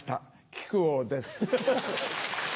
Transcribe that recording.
木久扇です。